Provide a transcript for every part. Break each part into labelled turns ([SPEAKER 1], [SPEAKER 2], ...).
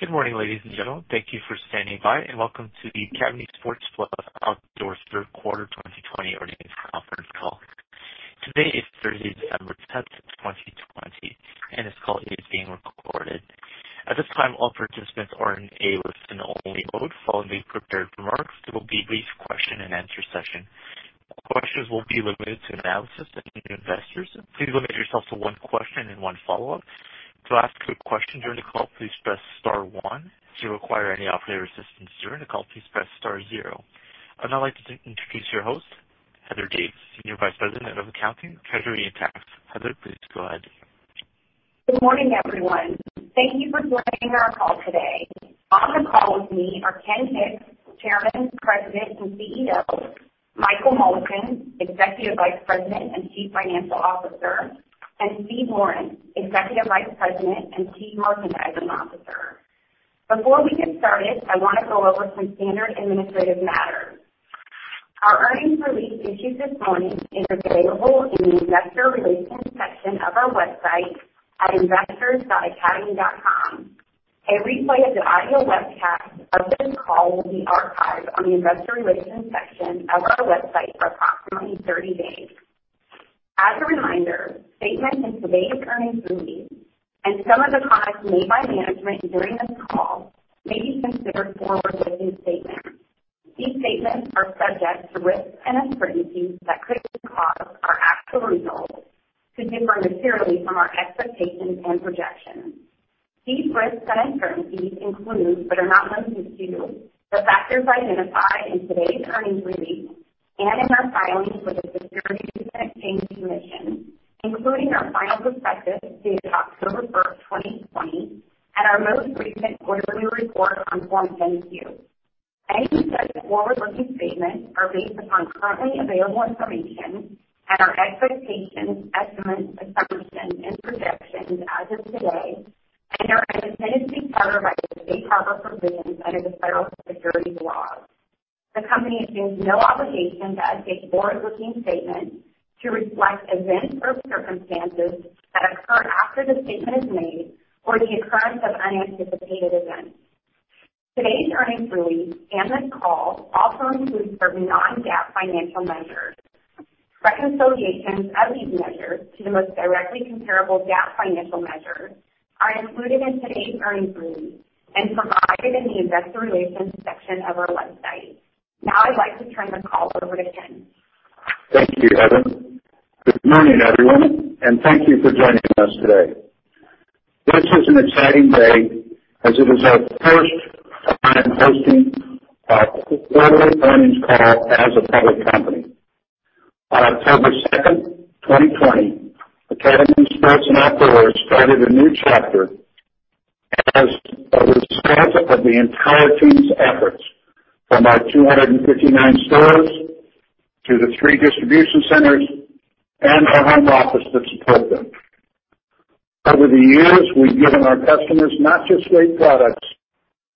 [SPEAKER 1] Good morning, ladies and gentlemen. Thank you for standing by, and Welcome to the Academy Sports & Outdoors Q3 2020 Earnings Conference Call. Today is Thursday, December 10th, 2020, and this call is being recorded. At this time, all participants are in a listen-only mode. Following the prepared remarks, there will be a brief question-and-answer session. Questions will be limited to analysts and investors. Please limit yourself to one question and one follow-up. To ask a question during the call please press star one. To require any operator assistance during the call please press star zero. I'd now like to introduce your host, Heather Davis, Senior Vice President of Accounting, Treasury & Tax. Heather, please go ahead.
[SPEAKER 2] Good morning, everyone. Thank you for joining our call today. On the call with me are Ken Hicks, Chairman, President, and CEO, Michael Mullican, Executive Vice President and Chief Financial Officer, and Steve Lawrence, Executive Vice President and Chief Merchandising Officer. Before we get started, I want to go over some standard administrative matters. Our earnings release issued this morning is available in the investor relations section of our website at investors.academy.com. A replay of the audio webcast of this call will be archived on the investor relations section of our website for approximately 30 days. As a reminder, statements in today's earnings release and some of the comments made by management during this call may be considered forward-looking statements. These statements are subject to risks and uncertainties that could cause our actual results to differ materially from our expectations and projections. These risks and uncertainties include, but are not limited to, the factors identified in today's earnings release and in our filings with the Securities and Exchange Commission, including our final prospectus dated October 1st, 2020, and our most recent quarterly report on Form 10-Q. Any such forward-looking statements are based upon currently available information and our expectations, estimates, assumptions, and projections as of today and are intended to be covered by the safe harbor provisions under the federal securities laws. The company assumes no obligation to update forward-looking statements to reflect events or circumstances that occur after the statement is made or the occurrence of unanticipated events. Today's earnings release and this call also include certain non-GAAP financial measures. Reconciliations of these measures to the most directly comparable GAAP financial measures are included in today's earnings release and provided in the investor relations section of our website. Now I'd like to turn the call over to Ken.
[SPEAKER 3] Thank you, Heather. Good morning, everyone, and thank you for joining us today. This is an exciting day as it is our first time hosting a quarterly earnings call as a public company. On October 2nd, 2020, Academy Sports + Outdoors started a new chapter as a result of the entire team's efforts, from our 259 stores to the three distribution centers and our home office that support them. Over the years, we've given our customers not just great products,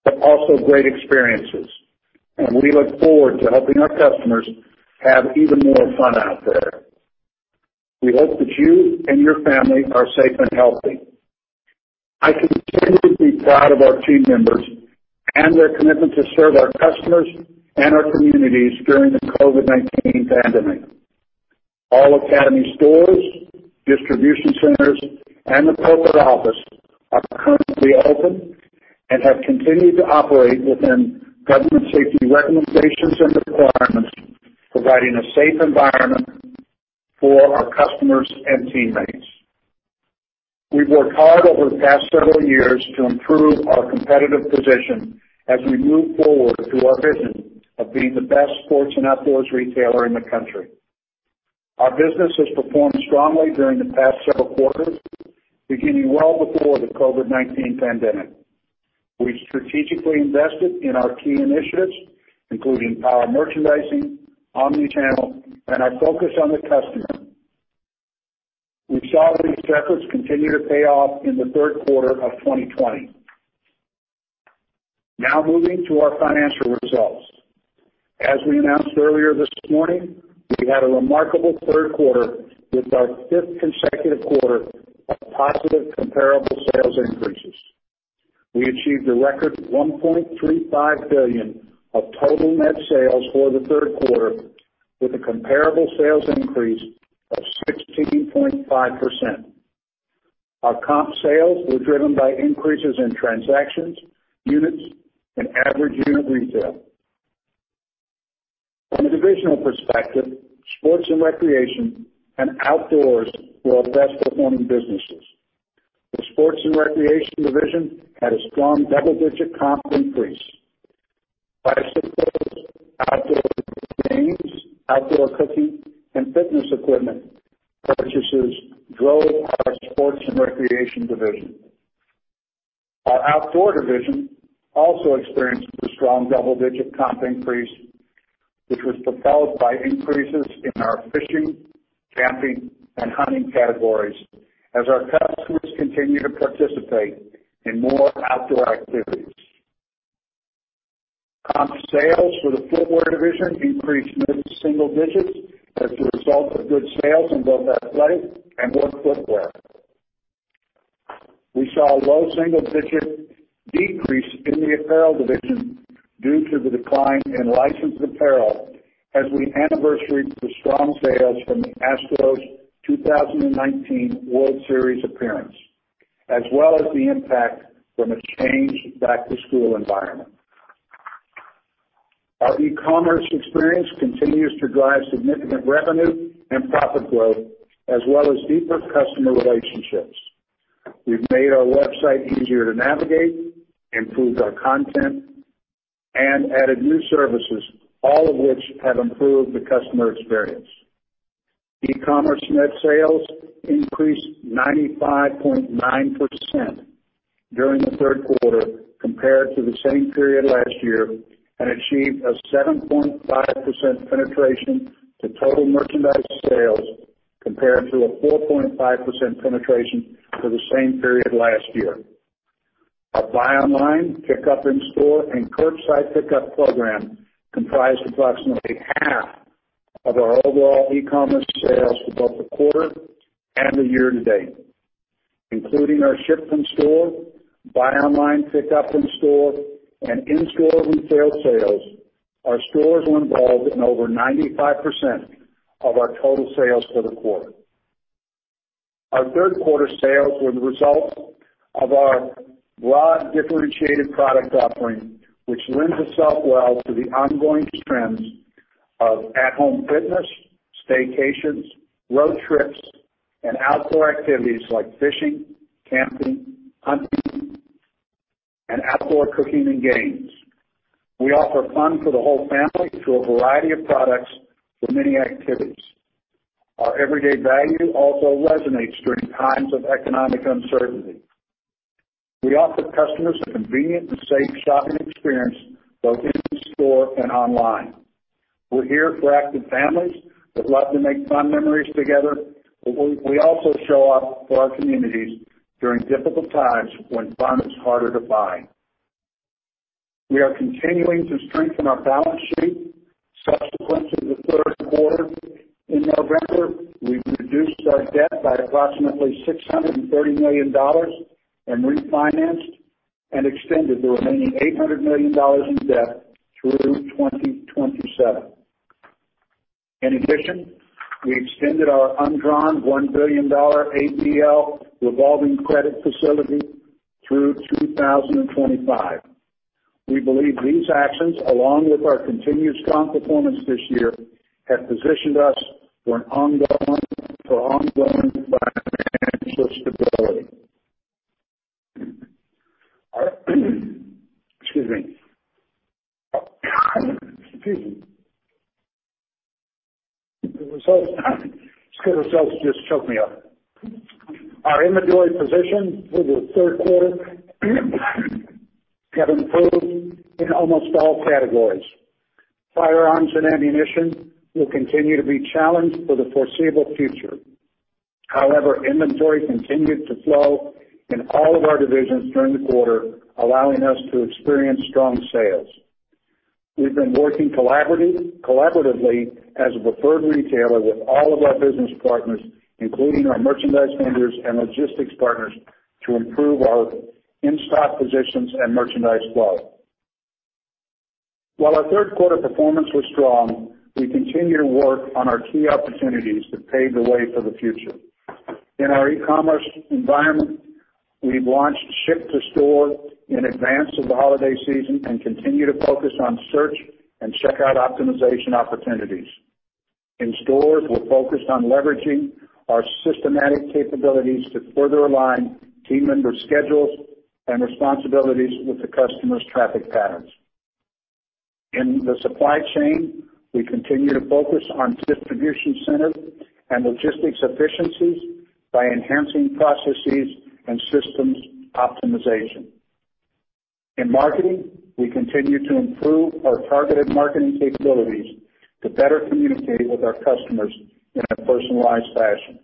[SPEAKER 3] but also great experiences, and we look forward to helping our customers have even more fun out there. We hope that you and your family are safe and healthy. I continue to be proud of our team members and their commitment to serve our customers and our communities during the COVID-19 pandemic. All Academy stores, distribution centers, and the corporate office are currently open and have continued to operate within government safety recommendations and requirements, providing a safe environment for our customers and teammates. We've worked hard over the past several years to improve our competitive position as we move forward to our vision of being the best sports and outdoors retailer in the country. Our business has performed strongly during the past several quarters, beginning well before the COVID-19 pandemic. We strategically invested in our key initiatives, including power merchandising, omnichannel, and our focus on the customer. We saw these efforts continue to pay off in the Q3 of 2020. Now moving to our financial results. As we announced earlier this morning, we had a remarkable Q3 with our fifth consecutive quarter of positive comparable sales increases. We achieved a record $1.35 billion of total net sales for the Q3 with a comparable sales increase of 16.5%. Our comp sales were driven by increases in transactions, units, and average unit retail. From a divisional perspective, Sports and Recreation and Outdoors were our best performing businesses. The Sports and Recreation division had a strong double-digit comp increase. Bicycle, outdoor games, outdoor cooking, and fitness equipment purchases drove our Sports and Recreation division. Our Outdoors division also experienced a strong double-digit comp increase, which was propelled by increases in our fishing, camping, and hunting categories as our customers continue to participate in more outdoor activities. Comp sales for the Footwear division increased mid-single digits as a result of good sales in both athletic and work footwear. We saw a low single-digit decrease in the apparel division due to the decline in licensed apparel as we anniversaried the strong sales from the Astros' 2019 World Series appearance, as well as the impact from a changed back-to-school environment. Our e-commerce experience continues to drive significant revenue and profit growth as well as deeper customer relationships. We've made our website easier to navigate, improved our content, and added new services, all of which have improved the customer experience. E-commerce net sales increased 95.9% during the Q3 compared to the same period last year and achieved a 7.5% penetration to total merchandise sales, compared to a 4.5% penetration for the same period last year. Our Buy Online, Pick Up In Store, and curbside pickup program comprised approximately half of our overall e-commerce sales for both the quarter and the year-to-date. Including our ship from store, Buy Online, Pick Up In Store, and in-store retail sales, our stores were involved in over 95% of our total sales for the quarter. Our Q3 sales were the result of our broad, differentiated product offering, which lends itself well to the ongoing trends of at-home fitness, staycations, road trips, and outdoor activities like fishing, camping, hunting, and outdoor cooking and games. We offer fun for the whole family through a variety of products for many activities. Our everyday value also resonates during times of economic uncertainty. We offer customers a convenient and safe shopping experience both in the store and online. We're here for active families that love to make fun memories together, but we also show up for our communities during difficult times when fun is harder to find. We are continuing to strengthen our balance sheet subsequent to the Q3. In November, we reduced our debt by approximately $630 million and refinanced and extended the remaining $800 million in debt through 2027. In addition, we extended our undrawn $1 billion ABL revolving credit facility through 2025. We believe these actions, along with our continued strong performance this year, have positioned us for ongoing financial stability. Excuse me. Good results just choked me up. Our inventory positions for the Q3 have improved in almost all categories. Firearms and ammunition will continue to be challenged for the foreseeable future. However, inventory continued to flow in all of our divisions during the quarter, allowing us to experience strong sales. We've been working collaboratively as a preferred retailer with all of our business partners, including our merchandise vendors and logistics partners, to improve our in-stock positions and merchandise wealth. While our Q3 performance was strong, we continue to work on our key opportunities to pave the way for the future. In our e-commerce environment, we've launched ship to store in advance of the holiday season and continue to focus on search and checkout optimization opportunities. In stores, we're focused on leveraging our systematic capabilities to further align team member schedules and responsibilities with the customers' traffic patterns. In the supply chain, we continue to focus on distribution centers and logistics efficiencies by enhancing processes and systems optimization. In marketing, we continue to improve our targeted marketing capabilities to better communicate with our customers in a personalized fashion.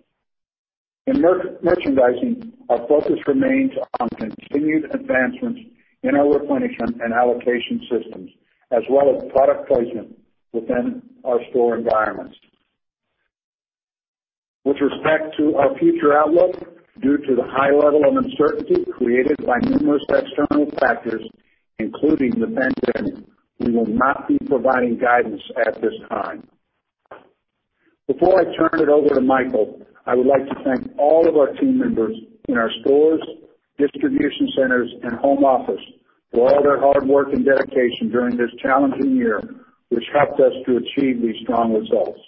[SPEAKER 3] In merchandising, our focus remains on continued advancements in our replenishment and allocation systems as well as product placement within our store environments. With respect to our future outlook, due to the high level of uncertainty created by numerous external factors, including the pandemic, we will not be providing guidance at this time. Before I turn it over to Michael, I would like to thank all of our team members in our stores, distribution centers, and home office for all their hard work and dedication during this challenging year, which helped us to achieve these strong results.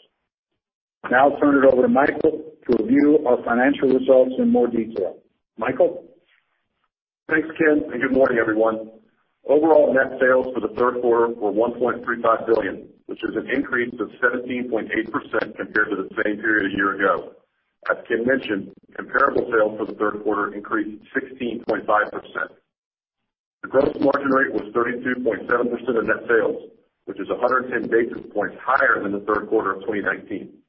[SPEAKER 3] Now I'll turn it over to Michael to review our financial results in more detail. Michael?
[SPEAKER 4] Thanks, Ken, and good morning, everyone. Overall net sales for the Q3 were $1.35 billion, which is an increase of 17.8% compared to the same period a year ago. As Ken mentioned, comparable sales for the Q3 increased 16.5%. The gross margin rate was 32.7% of net sales, which is 110 basis points higher than the Q3 of 2019.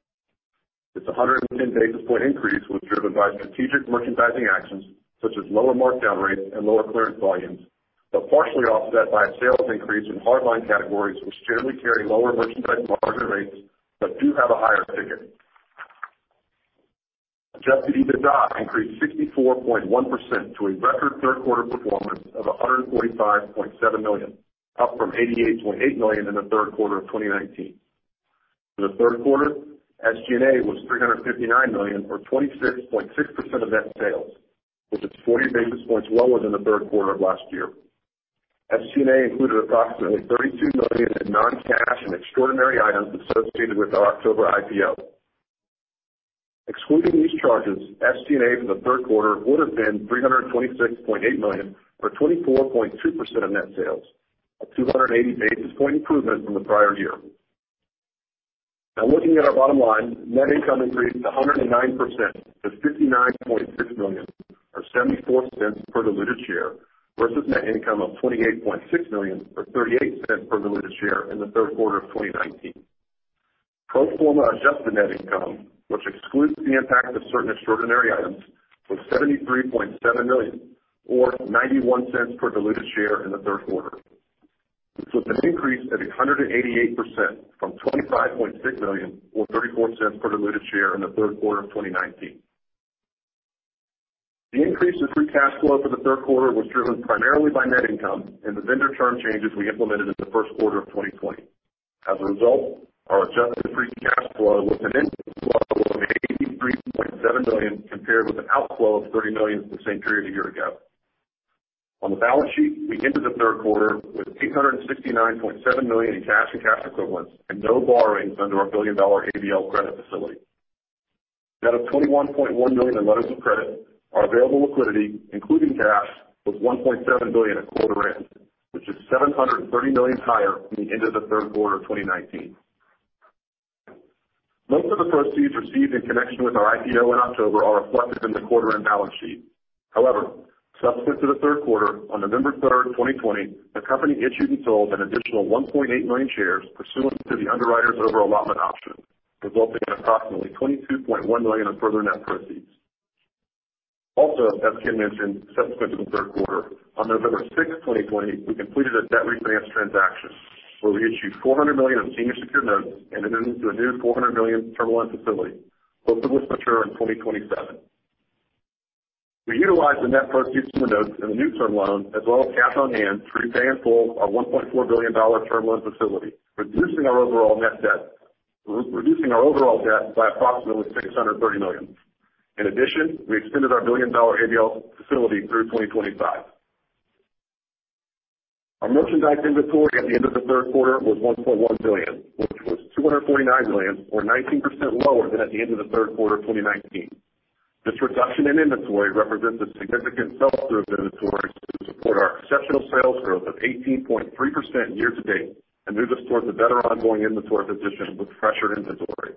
[SPEAKER 4] This 110 basis point increase was driven by strategic merchandising actions, such as lower markdown rates and lower clearance volumes, but partially offset by a sales increase in hard line categories, which generally carry lower merchandise margin rates, but do have a higher ticket. Adjusted EBITDA increased 64.1% to a record Q3 performance of $145.7 million, up from $88.8 million in the Q3 of 2019. For the Q3, SG&A was $359 million, or 26.6% of net sales, which is 40 basis points lower than the Q3 of last year. SG&A included approximately $32 million in non-cash and extraordinary items associated with our October IPO. Excluding these charges, SG&A for the Q3 would've been $326.8 million or 24.2% of net sales, a 280 basis point improvement from the prior year. Now looking at our bottom line, net income increased 109% to $59.6 million or $0.74 per diluted share versus net income of $28.6 million or $0.38 per diluted share in the Q3 of 2019. Pro forma adjusted net income, which excludes the impact of certain extraordinary items, was $73.7 million or $0.91 per diluted share in the Q3. This was an increase of 188% from $25.6 million or $0.34 per diluted share in the Q3 of 2019. The increase in free cash flow for the Q3 was driven primarily by net income and the vendor term changes we implemented in the Q1 of 2020. As a result, our adjusted free cash flow was an inflow of $83.7 million, compared with an outflow of $30 million for the same period a year ago. On the balance sheet, we ended the Q3 with $869.7 million in cash and cash equivalents, and no borrowings under our billion-dollar ABL credit facility. Net of $21.1 million in letters of credit, our available liquidity, including cash, was $1.7 billion at quarter end, which is $730 million higher from the end of the Q3 of 2019. Most of the proceeds received in connection with our IPO in October are reflected in the quarter end balance sheet. Subsequent to the Q3, on November 3rd, 2020, the company issued and sold an additional 1.8 million shares pursuant to the underwriter's over-allotment option, resulting in approximately $22.1 million of further net proceeds. As Ken mentioned, subsequent to the Q3, on November 6th, 2020, we completed a debt refinance transaction where we issued $400 million of senior secured notes and amendments to a new $400 million term loan facility, both of which mature in 2027. We utilized the net proceeds from the notes and the new term loan as well as cash on hand to repay in full our $1.4 billion term loan facility, reducing our overall debt by approximately $630 million. We extended our billion-dollar ABL facility through 2025. Our merchandise inventory at the end of the Q3 was $1.1 billion, which was $249 million or 19% lower than at the end of the Q3 of 2019. This reduction in inventory represents a significant sell-through of inventory to support our exceptional sales growth of 18.3% year-to-date and moves us towards a better ongoing inventory position with fresher inventory.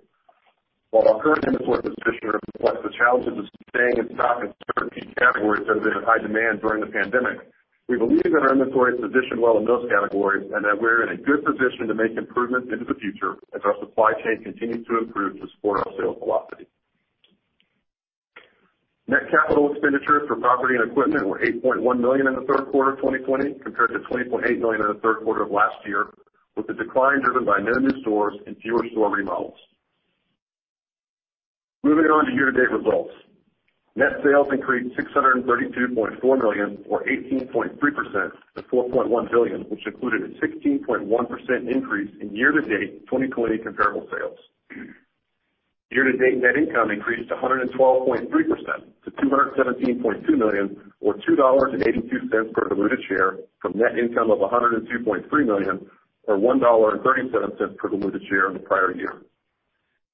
[SPEAKER 4] While our current inventory position reflects the challenges of staying in stock in certain key categories that have been in high demand during the pandemic, we believe that our inventory is positioned well in those categories and that we're in a good position to make improvements into the future as our supply chain continues to improve to support our sales velocity. Net capital expenditures for property and equipment were $8.1 million in the Q3 of 2020 compared to $20.8 million in the Q3 of last year, with the decline driven by no new stores and fewer store remodels. Moving on to year-to-date results. Net sales increased $632.4 million or 18.3% to $4.1 billion, which included a 16.1% increase in year-to-date 2020 comparable sales. Year-to-date net income increased 112.3% to $217.2 million or $2.82 per diluted share from net income of $102.3 million or $1.37 per diluted share in the prior year.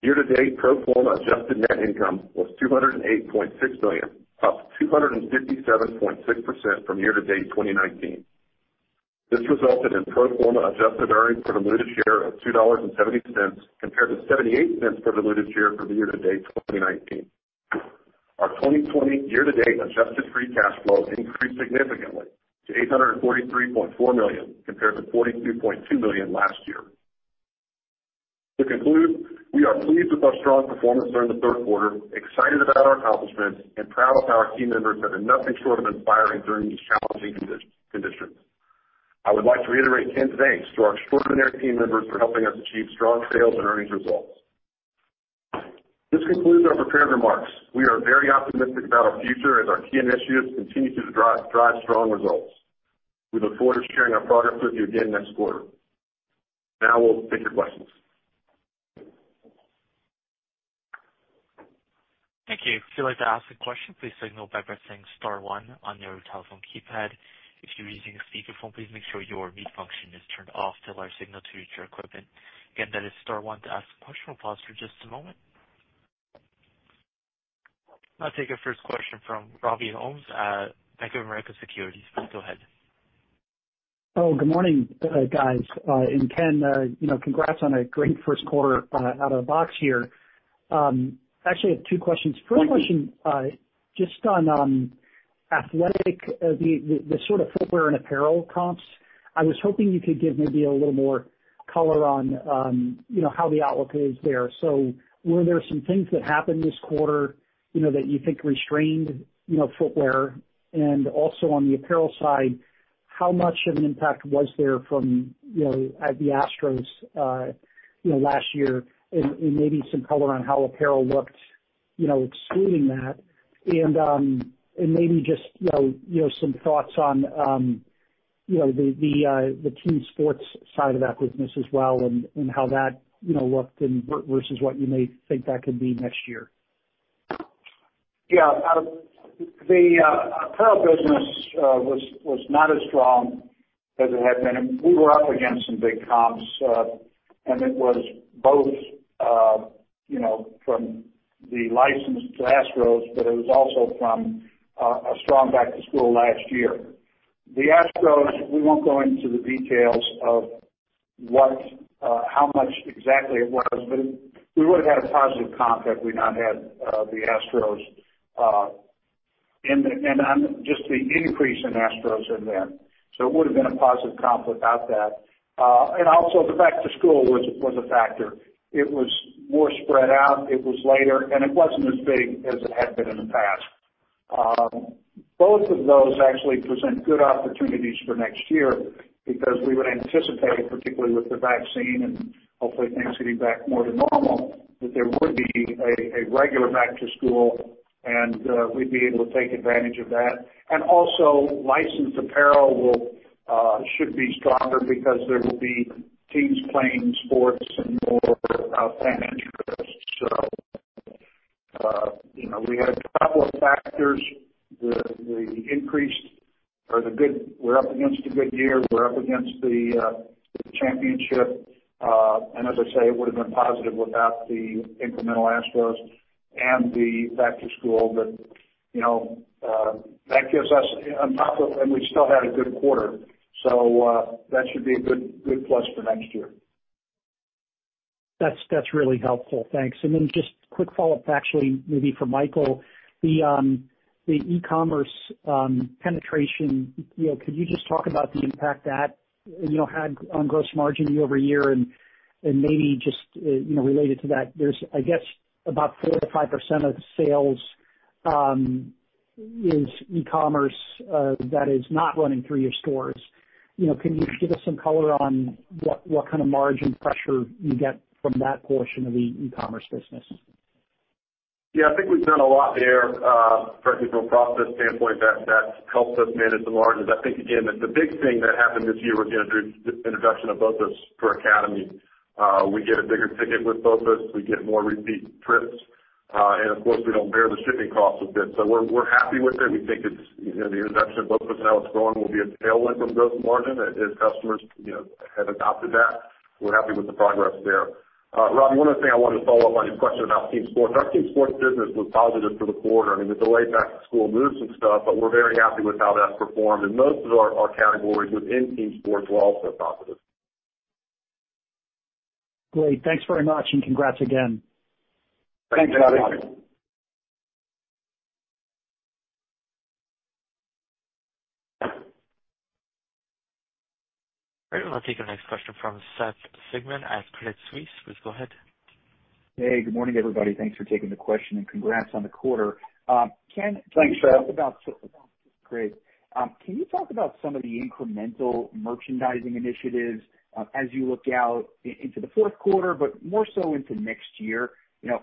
[SPEAKER 4] Year-to-date pro forma adjusted net income was $208.6 million, up 257.6% from year-to-date 2019. This resulted in pro forma adjusted earnings per diluted share of $2.70 compared to $0.78 per diluted share for the year-to-date 2019. Our 2020 year-to-date adjusted free cash flow increased significantly to $843.4 million compared to $42.2 million last year. To conclude, we are pleased with our strong performance during the Q3, excited about our accomplishments, and proud of our team members that are nothing short of inspiring during these challenging conditions. I would like to reiterate Ken's thanks to our extraordinary team members for helping us achieve strong sales and earnings results. This concludes our prepared remarks. We are very optimistic about our future as our key initiatives continue to drive strong results. We look forward to sharing our progress with you again next quarter. Now we'll take your questions.
[SPEAKER 1] Thank you. If you'd like to ask a question, please signal by pressing star one on your telephone keypad. If you're using a speakerphone, please make sure your mute function is turned off to allow signal to reach your equipment. Again, that is star one to ask a question. We'll pause for just a moment. I'll take our first question from Robert Ohmes at Bank of America Securities. Go ahead.
[SPEAKER 5] Oh, good morning, guys. Ken, congrats on a great Q1 out of the box here. Actually, I have two questions. First question, just on athletic, the footwear and apparel comps, I was hoping you could give maybe a little more color on how the outlook is there. Were there some things that happened this quarter, that you think restrained footwear? Also on the apparel side, how much of an impact was there from the Astros last year, and maybe some color on how apparel looked excluding that. Maybe just some thoughts on the team sports side of that business as well and how that looked versus what you may think that could be next year.
[SPEAKER 3] Yeah. The apparel business was not as strong as it had been, and we were up against some big comps. It was both from the license to Astros, but it was also from a strong back-to-school last year. The Astros, we won't go into the details of how much exactly it was, but we would've had a positive comp had we not had the Astros and on just the increase in Astros event. It would've been a positive comp without that. Also the back-to-school was a factor. It was more spread out, it was later, and it wasn't as big as it had been in the past. Both of those actually present good opportunities for next year because we would anticipate, particularly with the vaccine and hopefully things getting back more to normal, that there would be a regular back-to-school and we'd be able to take advantage of that. Also licensed apparel should be stronger because there will be teams playing sports and more fan interest. We had a couple of factors. We're up against a good year. We're up against the championship. As I say, it would've been positive without the incremental Astros and the back-to-school. We still had a good quarter, so that should be a good plus for next year.
[SPEAKER 5] That's really helpful. Thanks. Just quick follow-up, actually maybe for Michael, the e-commerce penetration. Could you just talk about the impact that had on gross margin year-over-year and maybe just related to that, there's, I guess, about 4%-5% of sales is e-commerce that is not running through your stores. Can you give us some color on what kind of margin pressure you get from that portion of the e-commerce business?
[SPEAKER 4] Yeah, I think we've done a lot there from a process standpoint that's helped us manage the margins. I think, again, that the big thing that happened this year was the introduction of BOPIS for Academy. We get a bigger ticket with BOPIS. We get more repeat trips. Of course, we don't bear the shipping costs with it. We're happy with it. We think the introduction of BOPIS and how it's going will be a tailwind on gross margin as customers have adopted that. We're happy with the progress there. Rob, one other thing I wanted to follow up on your question about team sports. Our team sports business was positive for the quarter. I mean, the delayed back-to-school moved some stuff, but we're very happy with how that's performed, and most of our categories within team sports were also positive.
[SPEAKER 5] Great. Thanks very much. Congrats again.
[SPEAKER 4] Thanks, Rob.
[SPEAKER 1] All right, we'll take our next question from Seth Sigman at Credit Suisse. Please go ahead.
[SPEAKER 6] Hey, good morning, everybody. Thanks for taking the question and congrats on the quarter.
[SPEAKER 3] Thanks, Seth.
[SPEAKER 6] Great. Can you talk about some of the incremental merchandising initiatives as you look out into the Q4, but more so into next year?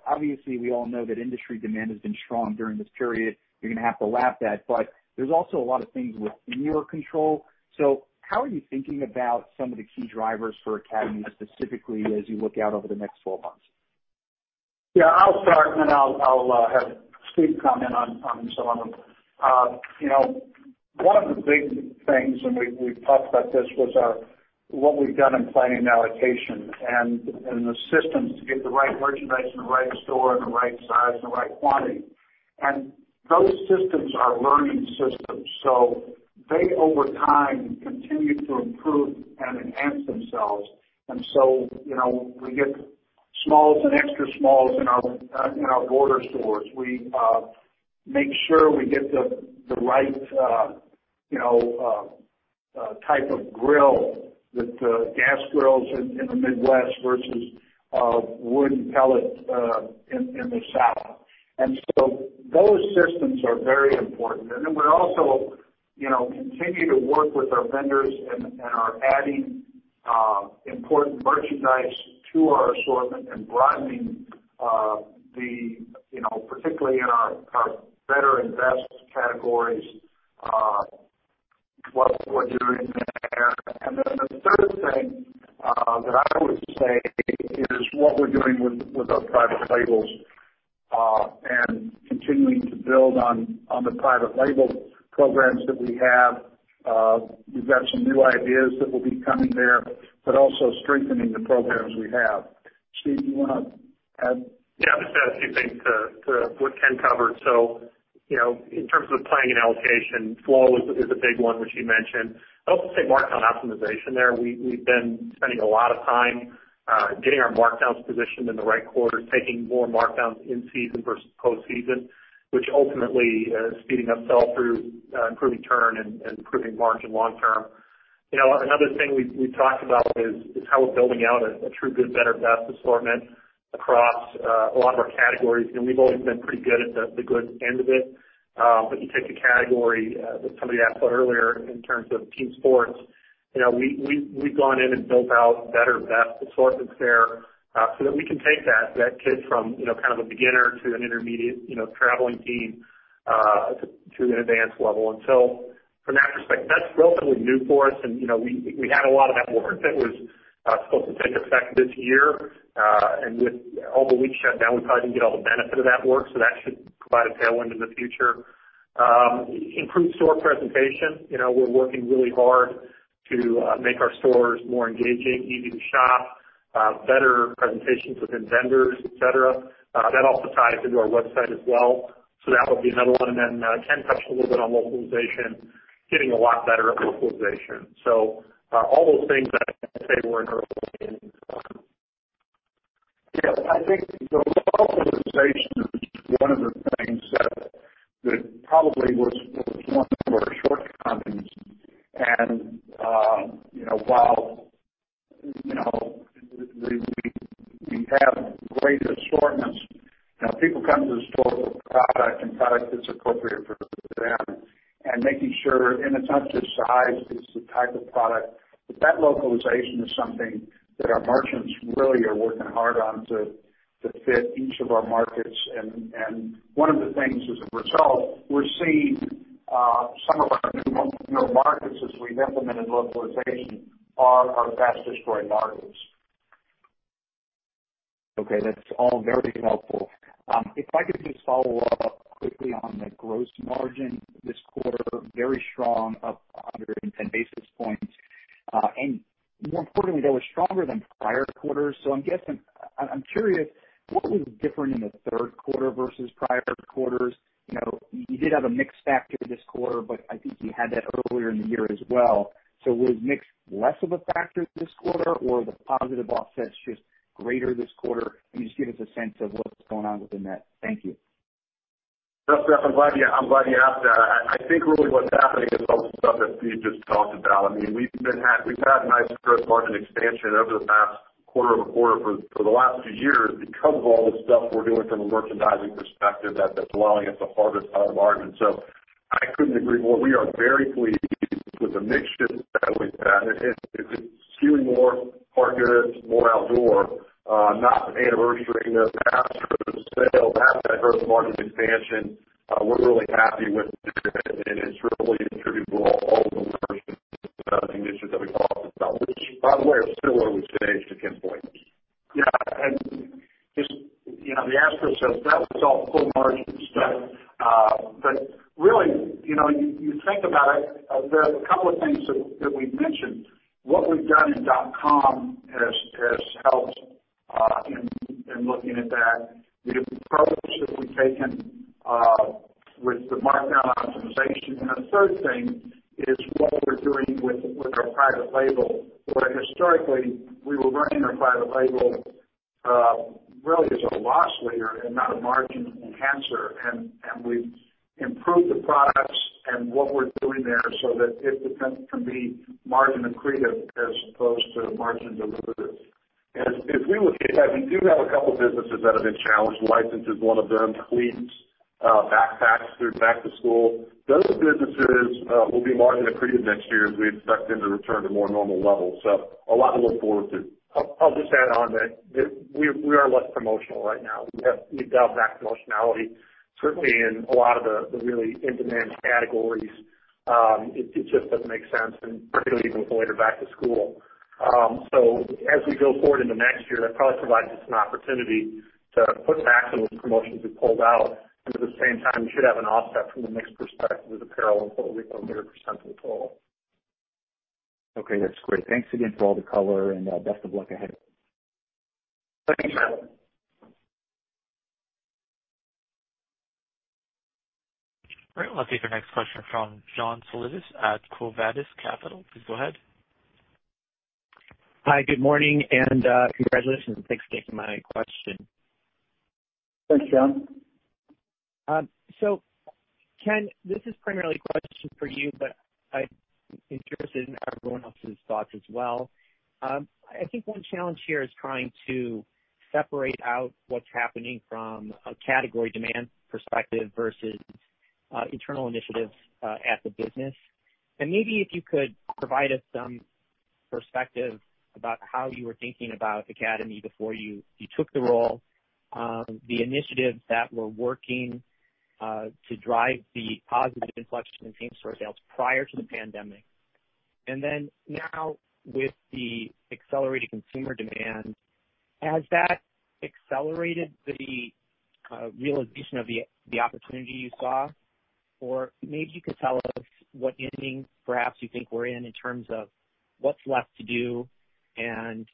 [SPEAKER 6] Obviously, we all know that industry demand has been strong during this period. You're going to have to lap that, but there's also a lot of things within your control. How are you thinking about some of the key drivers for Academy specifically as you look out over the next 12 months?
[SPEAKER 3] I'll start and then I'll have Steve comment on some of them. One of the big things, and we've talked about this, was what we've done in planning and allocation and the systems to get the right merchandise in the right store, the right size and the right quantity. Those systems are learning systems, so they, over time, continue to improve and enhance themselves. We get smalls and extra smalls in our border stores. We make sure we get the right type of grill, the gas grills in the Midwest versus wood and pellet in the South. Those systems are very important. Then we also continue to work with our vendors and are adding important merchandise to our assortment and broadening, particularly in our Better and Best categories, what you're in there. The third thing that I would say is what we're doing with our private labels, and continuing to build on the private label programs that we have. We've got some new ideas that will be coming there, but also strengthening the programs we have. Steve, do you want to add?
[SPEAKER 7] Just add a few things to what Ken covered. In terms of planning and allocation, flow is a big one, which he mentioned. I'll also say markdown optimization there. We've been spending a lot of time getting our markdowns positioned in the right quarter, taking more markdowns in season versus post-season, which ultimately is speeding up sell-through, improving turn and improving margin long term. Another thing we've talked about is how we're building out a true good, better, best assortment across a lot of our categories. We've always been pretty good at the good end of it. You take a category that somebody asked about earlier in terms of team sports, we've gone in and built out better, best assortments there, so that we can take that kid from a beginner to an intermediate traveling team to an advanced level. From that perspective, that's relatively new for us. We had a lot of that work that was supposed to take effect this year. With all the week shut down, we probably didn't get all the benefit of that work, that should provide a tailwind in the future. Improved store presentation. We're working really hard to make our stores more engaging, easy to shop, better presentations within vendors, et cetera. That also ties into our website as well. That'll be another one. Then Ken touched a little bit on localization, getting a lot better at localization. All those things I'd say were in early innings.
[SPEAKER 3] While we have great assortments now, people come to the store for product and product that's appropriate for them, and it's not just size, it's the type of product. That localization is something that our merchants really are working hard on to fit each of our markets. One of the things, as a result, we're seeing some of our new markets as we've implemented localization are our fastest growing markets.
[SPEAKER 6] Okay, that's all very helpful. If I could just follow up quickly on the gross margin this quarter, very strong, up 110 basis points. More importantly, that was stronger than prior quarters. I'm curious, what was different in the Q3 versus prior quarters? You did have a mix factor this quarter, but I think you had that earlier in the year as well. Was mix less of a factor this quarter or the positive offsets just greater this quarter? Can you just give us a sense of what's going on within that? Thank you.
[SPEAKER 4] I'm glad you asked that. I think really what's happening is all the stuff that Steve just talked about. We've had nice gross margin expansion over the past quarter-over-quarter for the last two years because of all the stuff we're doing from a merchandising perspective that's allowing us to harvest our margin. I couldn't agree more. We are very pleased with the mix shift that we've had. It's skewing more hard goods, more outdoor, not anniversarying the. Past that gross margin expansion, we're really happy with where we're headed, and it's really attributable to all of the merchandise initiatives that we've talked about, which, by the way, are similar, we'd say, to Ken's points.
[SPEAKER 3] Yeah. The asterisk says that was all full margin stuff. Really, you think about it, there's a couple of things that we've mentioned. What we've done in dot-com has helped in looking at that. The approach that we've taken with the markdown optimization. A third thing is what we're doing with our private label, where historically we were running our private label really as a loss leader and not a margin enhancer. We've improved the products and what we're doing there so that it can be margin accretive as opposed to margin dilutive.
[SPEAKER 4] If we look ahead, we do have a couple businesses that have been challenged. License is one of them, cleats, backpacks through back-to-school. Those businesses will be margin accretive next year as we expect them to return to more normal levels. A lot to look forward to.
[SPEAKER 7] I'll just add on that we are less promotional right now. We've dialed back promotionality, certainly in a lot of the really in-demand categories. It just doesn't make sense, and particularly even later back-to-school. As we go forward into next year, that probably provides us an opportunity to put back some of the promotions we pulled out. At the same time, we should have an offset from the mix perspective with apparel and what we call percent of total.
[SPEAKER 6] Okay, that's great. Thanks again for all the color, and best of luck ahead.
[SPEAKER 7] Thank you.
[SPEAKER 1] All right, we'll take our next question from John Zolidis at Quo Vadis Capital. Please go ahead.
[SPEAKER 8] Hi, good morning, and congratulations, and thanks for taking my question.
[SPEAKER 3] Thanks, John.
[SPEAKER 8] Ken, this is primarily a question for you, but I'm interested in everyone else's thoughts as well. I think one challenge here is trying to separate out what's happening from a category demand perspective versus internal initiatives at the business. Maybe if you could provide us some perspective about how you were thinking about Academy before you took the role, the initiatives that were working to drive the positive inflection in same-store sales prior to the pandemic. Then now with the accelerated consumer demand, has that accelerated the realization of the opportunity you saw? Maybe you could tell us what inning perhaps you think we're in terms of what's left to do and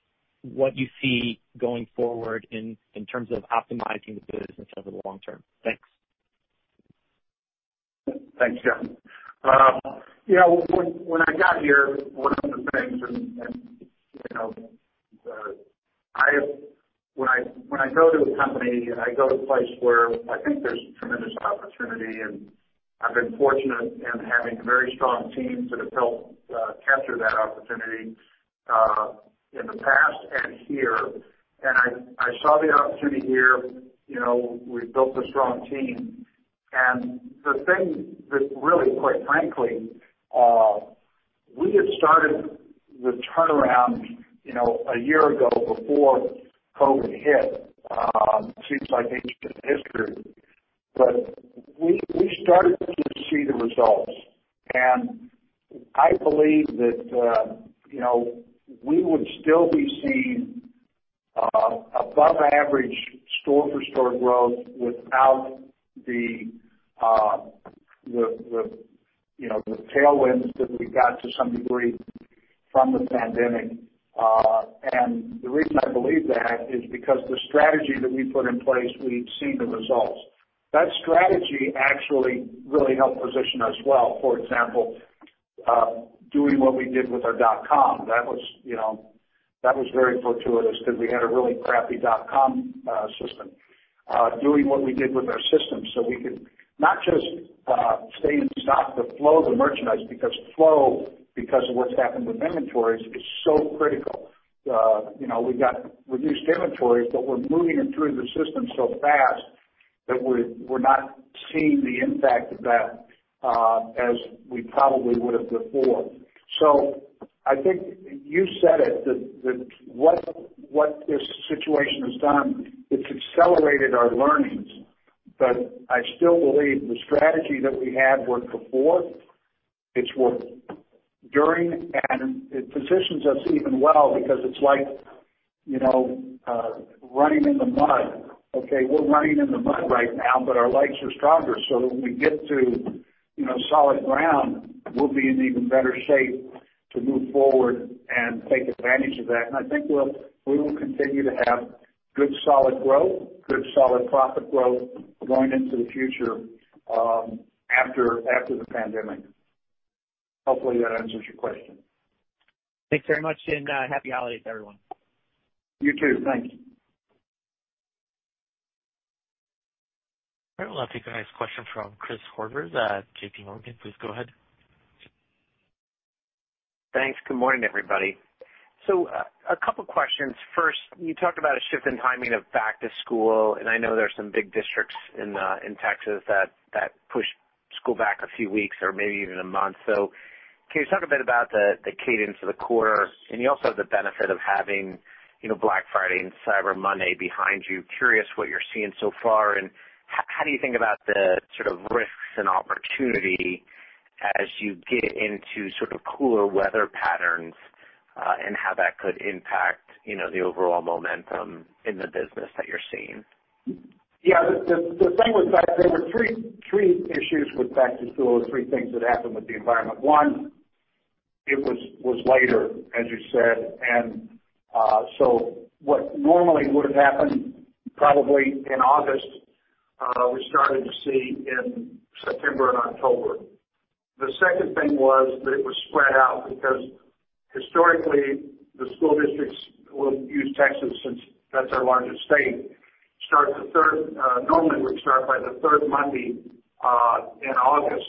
[SPEAKER 8] what you see going forward in terms of optimizing the business over the long term. Thanks.
[SPEAKER 3] Thanks, John. When I got here, one of the things When I go to a company, I go to a place where I think there's tremendous opportunity, I've been fortunate in having very strong teams that have helped capture that opportunity, in the past and here. I saw the opportunity here. We've built a strong team. The thing that really, quite frankly, we had started the turnaround a year ago before COVID hit. Seems like ancient history. We started to see the results, and I believe that we would still be seeing above average store-for-store growth without the tailwinds that we got to some degree from the pandemic. The reason I believe that is because the strategy that we put in place, we've seen the results. That strategy actually really helped position us well. For example, doing what we did with our dot-com. That was very fortuitous because we had a really crappy dot-com system. Doing what we did with our systems, we could not just stay and stop the flow of the merchandise, because flow, because of what's happened with inventories, is so critical. We've got reduced inventories, we're moving it through the system so fast that we're not seeing the impact of that, as we probably would've before. I think you said it, that what this situation has done, it's accelerated our learnings. I still believe the strategy that we had worked before, it's worked during, and it positions us even well because it's like running in the mud. Okay, we're running in the mud right now, but our legs are stronger, so when we get to solid ground, we'll be in even better shape to move forward and take advantage of that. I think we will continue to have good, solid growth, good, solid profit growth going into the future, after the pandemic. Hopefully that answers your question.
[SPEAKER 8] Thanks very much, and happy holidays, everyone.
[SPEAKER 3] You, too. Thank you.
[SPEAKER 1] All right, we'll now take our next question from Christopher Horvers at J.P. Morgan. Please go ahead.
[SPEAKER 9] Thanks. Good morning, everybody. A couple questions. First, you talked about a shift in timing of back-to-school, and I know there are some big districts in Texas that pushed school back a few weeks or maybe even a month. Can you talk a bit about the cadence of the quarter? You also have the benefit of having Black Friday and Cyber Monday behind you. Curious what you're seeing so far, and how do you think about the sort of risks and opportunity as you get into sort of cooler weather patterns, and how that could impact the overall momentum in the business that you're seeing?
[SPEAKER 3] Yeah. The thing with that, there were three issues with back-to-school or three things that happened with the environment. One, it was later, as you said, and so what normally would've happened probably in August, we started to see in September and October. The second thing was that it was spread out because historically, the school districts, we'll use Texas since that's our largest state, normally would start by the third Monday in August,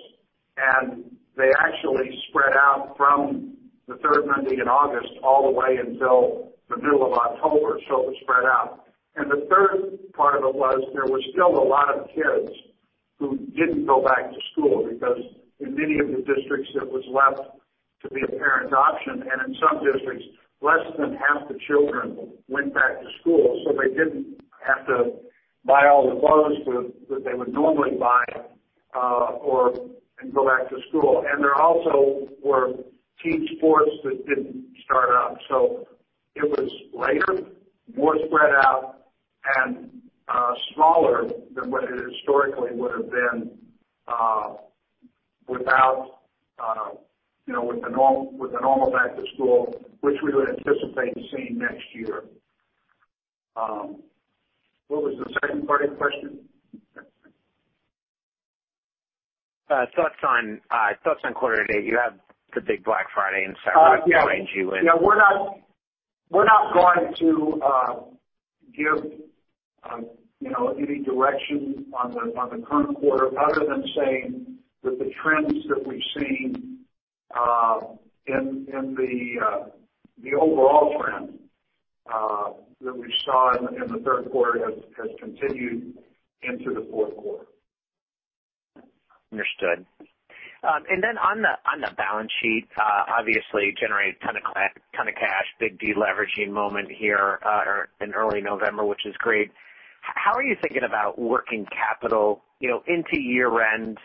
[SPEAKER 3] and they actually spread out from the third Monday in August all the way until the middle of October. It was spread out. The third part of it was there was still a lot of kids who didn't go back-to-school because in many of the districts, it was left to be a parent option. In some districts, less than half the children went back-to-school, so they didn't have to buy all the clothes that they would normally buy and go back-to-school. There also were key sports that didn't start up. It was later, more spread out, and smaller than what it historically would've been with the normal back-to-school, which we would anticipate seeing next year. What was the second part of the question?
[SPEAKER 9] Thoughts on quarter to date. You have the big Black Friday and Cyber Monday behind you.
[SPEAKER 3] Yeah. We're not going to give any direction on the current quarter other than saying that the trends that we've seen in the overall trend that we saw in the Q3 has continued into the Q4.
[SPEAKER 9] Understood. Then on the balance sheet, obviously generated ton of cash. Big de-leveraging moment here in early November, which is great. How are you thinking about working capital into year-end,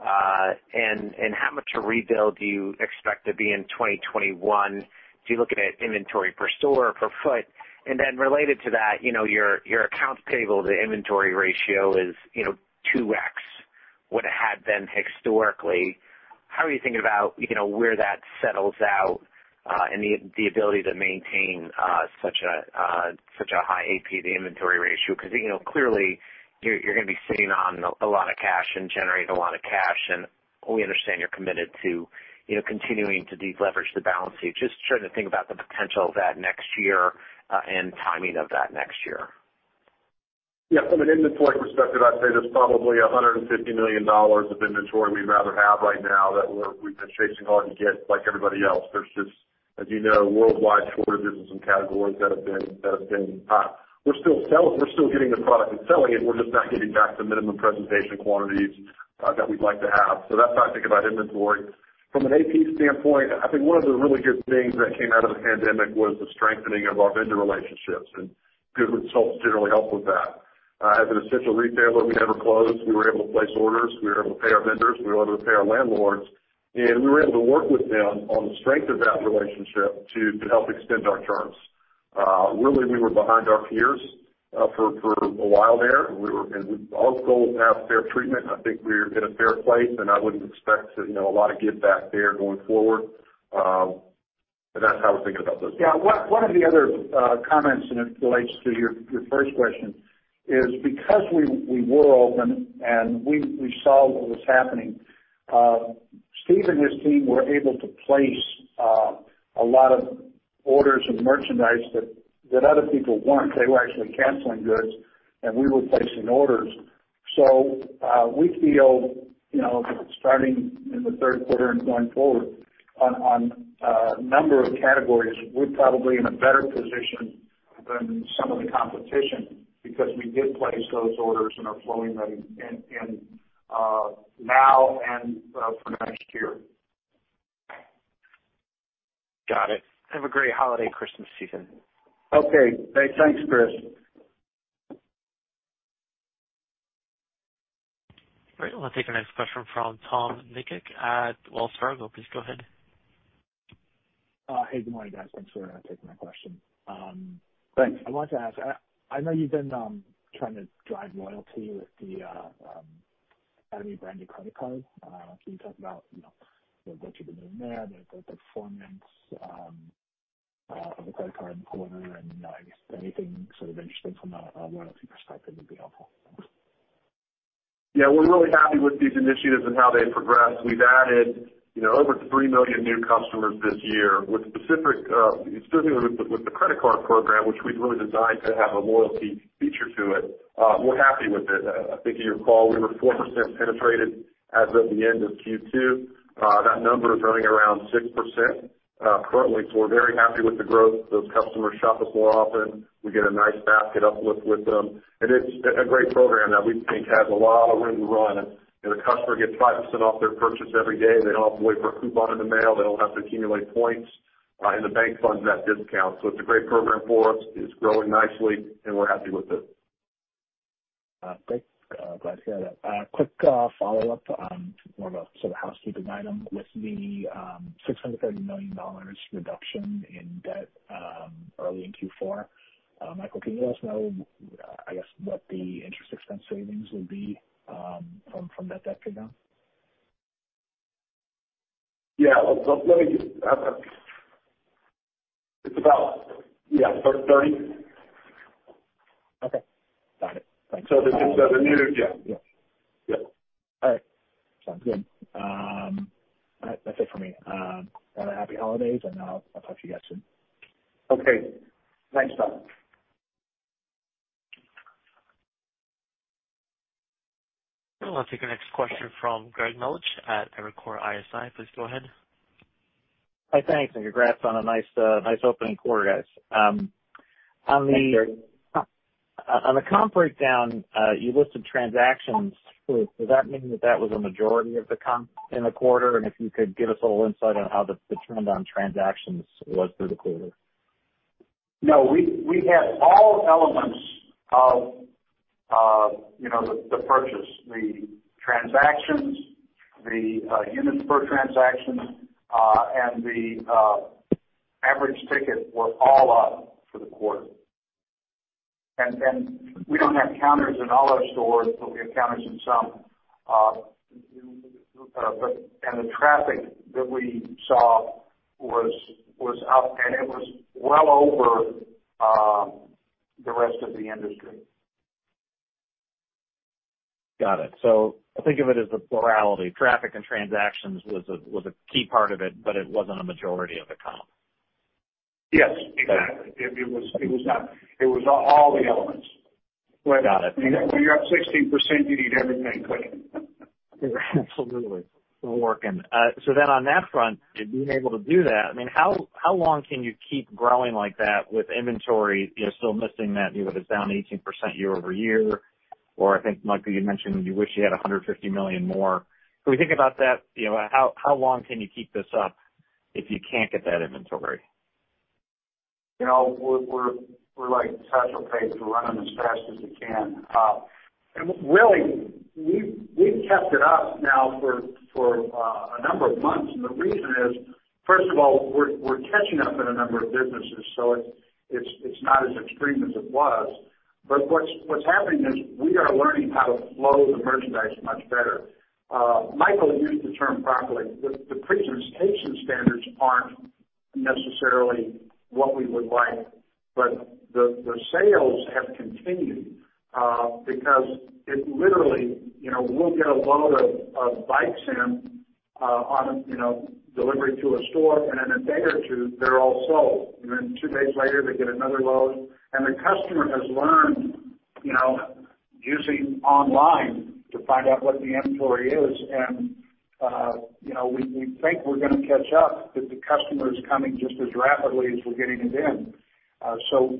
[SPEAKER 9] and how much rebuild do you expect to be in 2021? Do you look at it inventory per store, per foot? Then related to that, your accounts payable to inventory ratio is 2X what it had been historically. How are you thinking about where that settles out, and the ability to maintain such a high AP to inventory ratio? Clearly, you're going to be sitting on a lot of cash and generate a lot of cash, and we understand you're committed to continuing to de-leverage the balance sheet. Just starting to think about the potential of that next year, and timing of that next year.
[SPEAKER 4] From an inventory perspective, I'd say there's probably $150 million of inventory we'd rather have right now that we've been chasing hard to get, like everybody else. There's just, as you know, worldwide shortages in some categories that have been hot. We're still getting the product and selling it. We're just not getting back the minimum presentation quantities that we'd like to have. That's how I think about inventory. From an AP standpoint, I think one of the really good things that came out of the pandemic was the strengthening of our vendor relationships, and good results generally help with that. As an essential retailer, we never closed. We were able to place orders. We were able to pay our vendors, we were able to pay our landlords, and we were able to work with them on the strength of that relationship to help extend our terms. Really, we were behind our peers for a while there, and fair treatment, and I think we're in a fair place, and I wouldn't expect a lot of giveback there going forward. That's how I'm thinking about those.
[SPEAKER 3] Yeah. One of the other comments, and it relates to your first question, is because we were open and we saw what was happening, Steve and his team were able to place a lot of orders of merchandise that other people weren't. They were actually canceling goods, and we were placing orders. We feel, starting in the Q3 and going forward on a number of categories, we're probably in a better position than some of the competition because we did place those orders and are flowing them in now and for next year.
[SPEAKER 9] Got it. Have a great holiday, Christmas season.
[SPEAKER 3] Okay. Thanks, Chris.
[SPEAKER 1] All right, I'll take our next question from Tom Nikic at Wells Fargo. Please go ahead.
[SPEAKER 10] Hey, good morning, guys. Thanks for taking my question. I wanted to ask, I know you've been trying to drive loyalty with the Academy branded credit card. Can you talk about what you've been doing there, the performance of the credit card in the quarter, and I guess anything sort of interesting from a loyalty perspective would be helpful. Thanks.
[SPEAKER 4] Yeah, we're really happy with these initiatives and how they've progressed. We've added over 3 million new customers this year. Specifically with the Credit Card Program, which we've really designed to have a loyalty feature to it, we're happy with it. I think you recall we were 4% penetrated as of the end of Q2. That number is running around 6% currently. We're very happy with the growth. Those customers shop us more often. We get a nice basket uplift with them, and it's a great program that we think has a lot of room to run. The customer gets 5% off their purchase every day. They don't have to wait for a coupon in the mail. They don't have to accumulate points, and the bank funds that discount. It's a great program for us. It's growing nicely, and we're happy with it.
[SPEAKER 10] Great. Glad to hear that. A quick follow-up, more of a sort of housekeeping item. With the $630 million reduction in debt early in Q4, Michael, can you let us know, I guess, what the interest expense savings will be from that debt pay down?
[SPEAKER 4] Yeah. It's about
[SPEAKER 10] Okay. Got it. Thanks.
[SPEAKER 4] Yeah.
[SPEAKER 10] Yeah.
[SPEAKER 4] Yeah.
[SPEAKER 10] All right, sounds good. That's it for me. Have a Happy Holidays. I'll talk to you guys soon.
[SPEAKER 3] Okay. Thanks, Tom.
[SPEAKER 1] I'll take our next question from Greg Melich at Evercore ISI. Please go ahead.
[SPEAKER 11] Hi, thanks, congrats on a nice opening quarter, guys. On the comp breakdown, you listed transactions. Does that mean that that was a majority of the comp in the quarter? If you could give us a little insight on how the trend on transactions was through the quarter.
[SPEAKER 3] No. We had all elements of the purchase. The transactions, the units per transaction, and the average ticket were all up for the quarter. We don't have counters in all our stores, but we have counters in some. The traffic that we saw was up, and it was well over the rest of the industry.
[SPEAKER 11] Got it. I think of it as a plurality. Traffic and transactions was a key part of it, but it wasn't a majority of the comp.
[SPEAKER 4] Yes, exactly. It was up. It was all the elements.
[SPEAKER 11] Got it.
[SPEAKER 4] When you're up 16%, you need everything clicking.
[SPEAKER 11] On that front, being able to do that, how long can you keep growing like that with inventory still missing that it's down 18% year-over-year? I think, Michael, you mentioned you wish you had $150 million more. When you think about that, how long can you keep this up if you can't get that inventory?
[SPEAKER 3] We're like Special K. We're running as fast as we can. Really, we've kept it up now for a number of months, the reason is, first of all, we're catching up in a number of businesses, it's not as extreme as it was. What's happening is we are learning how to flow the merchandise much better. Michael used the term properly. The presentation standards aren't necessarily what we would like, the sales have continued because it literally, we'll get a load of bikes in on delivery to a store, in a day or two, they're all sold. Two days later, they get another load. The customer has learned, using online to find out what the inventory is and we think we're going to catch up, that the customer is coming just as rapidly as we're getting it in.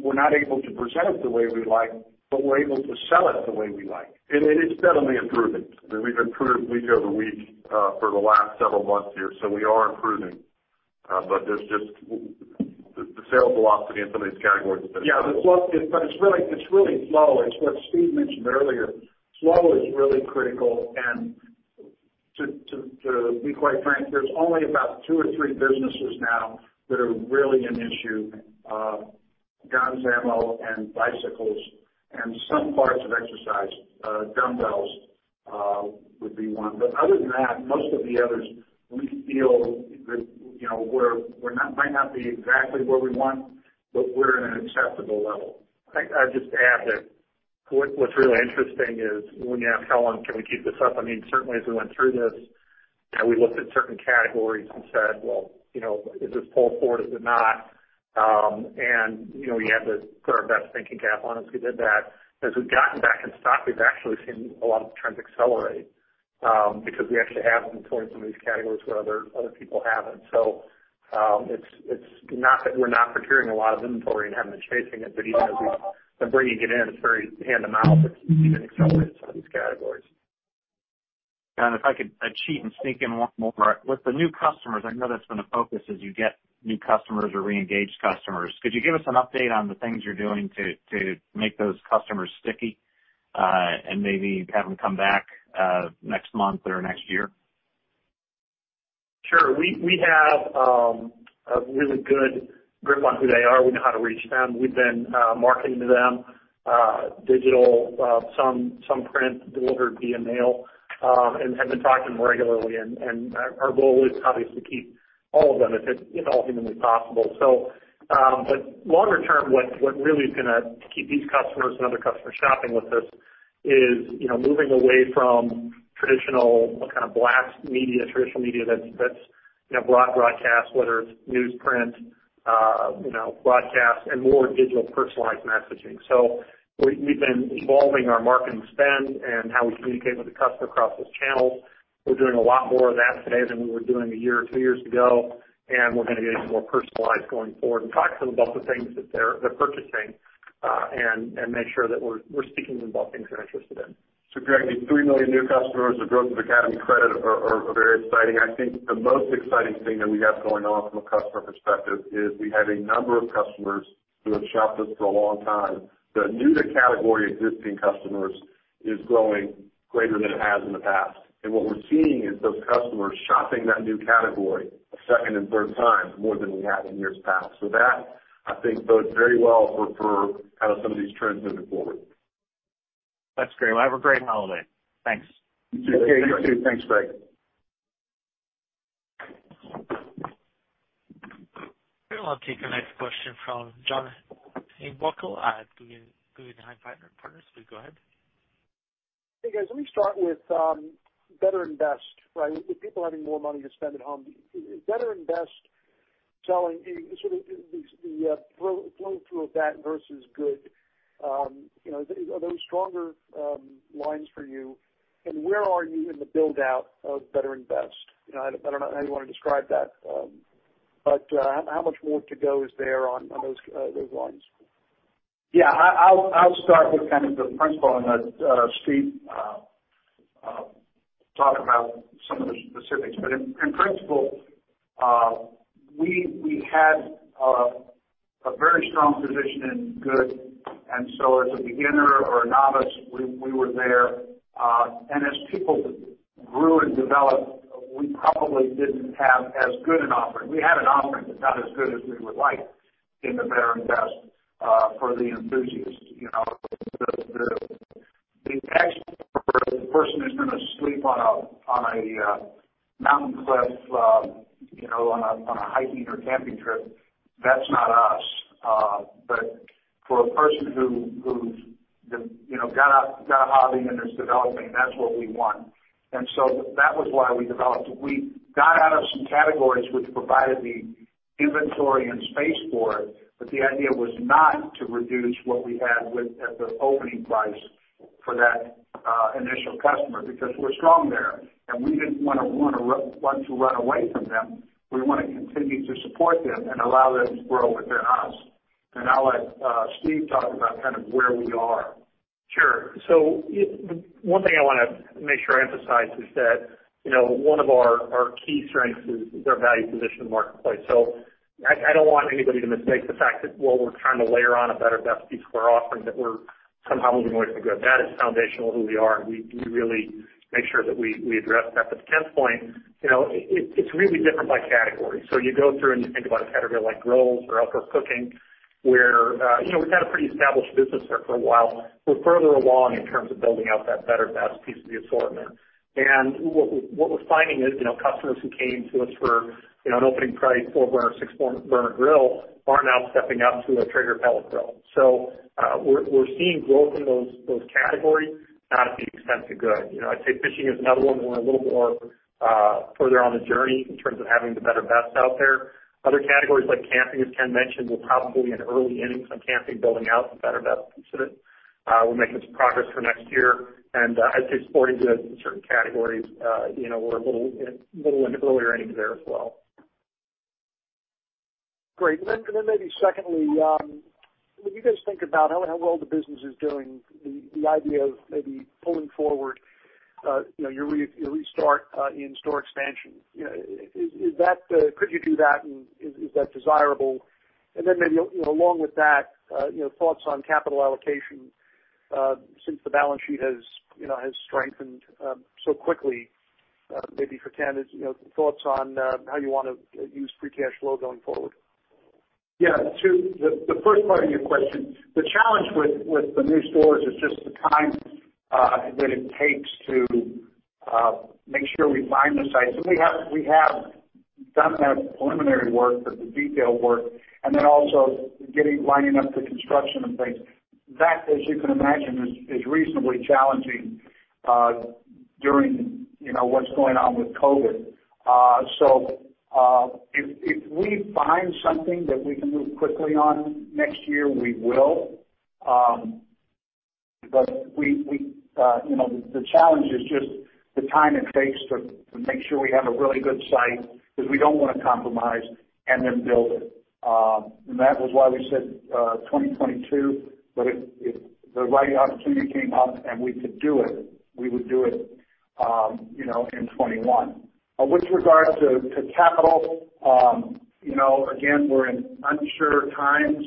[SPEAKER 3] We're not able to present it the way we like, but we're able to sell it the way we like.
[SPEAKER 4] It's steadily improving. We've improved week-over-week for the last several months here, so we are improving. The sales velocity in some of these categories has been slow.
[SPEAKER 3] Yeah. It's really flow. It's what Steve mentioned earlier. Flow is really critical, and to be quite frank, there's only about two or three businesses now that are really an issue. Guns, ammo, and bicycles, and some parts of exercise. Dumbbells would be one. Other than that, most of the others, we feel that we might not be exactly where we want, but we're at an acceptable level.
[SPEAKER 7] I'd just add that what's really interesting is when you ask how long can we keep this up, certainly as we went through this and we looked at certain categories and said, "Well, is this pull forward, is it not?" We had to put our best thinking cap on as we did that. As we've gotten back in stock, we've actually seen a lot of the trends accelerate, because we actually have inventory in some of these categories where other people haven't. It's not that we're not procuring a lot of inventory and having to chase it, but even as we've been bringing it in, it's very hand-to-mouth, it's even accelerated some of these categories.
[SPEAKER 11] If I could cheat and sneak in one more. With the new customers, I know that's been a focus as you get new customers or re-engage customers. Could you give us an update on the things you're doing to make those customers sticky, and maybe have them come back next month or next year?
[SPEAKER 7] Sure. We have a really good grip on who they are. We know how to reach them. We've been marketing to them, digital, some print delivered via mail, and have been talking regularly. Our goal is, obviously, to keep all of them, if at all humanly possible. Longer term, what really is going to keep these customers and other customers shopping with us is moving away from traditional blast media, traditional media that's broad broadcast, whether it's news, print, broadcast, and more digital personalized messaging. We've been evolving our marketing spend and how we communicate with the customer across those channels. We're doing a lot more of that today than we were doing a year or two years ago. We're going to get even more personalized going forward and talk to them about the things that they're purchasing. Make sure that we're speaking to them about things they're interested in.
[SPEAKER 4] Greg, these 3 million new customers, the growth of Academy Credit are very exciting. I think the most exciting thing that we have going on from a customer perspective is we have a number of customers who have shopped with us for a long time, that new-to-category existing customers is growing greater than it has in the past. What we're seeing is those customers shopping that new category a second and third time more than we have in years past. That, I think, bodes very well for some of these trends moving forward.
[SPEAKER 11] That's great. Well, have a great holiday. Thanks.
[SPEAKER 4] You too. Thanks, Greg.
[SPEAKER 1] Well, I'll take the next question from John Pinckard at Guggenheim Partners. Please go ahead.
[SPEAKER 12] Hey, guys, let me start with Better and Best. With people having more money to spend at home, Better and Best selling, the flow through of that versus Good, are those stronger lines for you, and where are you in the build-out of Better and Best? I don't know how you want to describe that. How much more to go is there on those lines?
[SPEAKER 3] I'll start with the principle and let Steve talk about some of the specifics. In principle, we had a very strong position in good, and so as a beginner or a novice, we were there. As people grew and developed, we probably didn't have as good an offering. We had an offering, but not as good as we would like in the Better and Best for the enthusiast. The expert or the person who's going to sleep on a mountain cliff on a hiking or camping trip, that's not us. For a person who's got a hobby and is developing, that's what we want. That was why we developed. We got out of some categories which provided the inventory and space for it, but the idea was not to reduce what we had at the opening price for that initial customer, because we're strong there, and we didn't want to run away from them. We want to continue to support them and allow them to grow within us. I'll let Steve talk about where we are.
[SPEAKER 7] Sure. One thing I want to make sure I emphasize is that one of our key strengths is our value position in the marketplace. I don't want anybody to mistake the fact that while we're trying to layer on a Better and Best piece of our offering, that we're somehow moving away from Good. That is foundational to who we are, and we really make sure that we address that. To Ken's point, it's really different by category. You go through and you think about a category like grills or outdoor cooking, where we've had a pretty established business there for a while. We're further along in terms of building out that Better and Best piece of the assortment. What we're finding is customers who came to us for an opening price four-burner, six-burner grill are now stepping up to a Traeger pellet grill. We're seeing growth in those categories. Not at the expense of good. I'd say fishing is another one. We're a little more further on the journey in terms of having the better best out there. Other categories like camping, as Ken mentioned, we're probably in early innings on camping, building out the better best. We're making some progress for next year. I'd say sporting goods in certain categories, we're a little in the early innings there as well.
[SPEAKER 12] Great. Maybe secondly, when you guys think about how well the business is doing, the idea of maybe pulling forward your restart in store expansion, could you do that, and is that desirable? Maybe, along with that, thoughts on capital allocation since the balance sheet has strengthened so quickly. Maybe for Ken, thoughts on how you want to use free cash flow going forward.
[SPEAKER 3] Yeah. To the first part of your question, the challenge with the new stores is just the time that it takes to make sure we find the sites that we have done kind of the preliminary work, but the detail work, and then also lining up the construction and things. That, as you can imagine, is reasonably challenging during what's going on with COVID. If we find something that we can move quickly on next year, we will. The challenge is just the time it takes to make sure we have a really good site, because we don't want to compromise, and then build it. That was why we said 2022. If the right opportunity came up and we could do it, we would do it in 2021. With regards to capital, again, we're in unsure times.